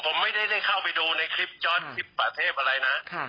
แต่ผมไม่ได้เข้าไปดูในคลิปจอสหรือประเทศอะไรนะ